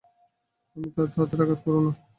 তাদের আঘাত করো না।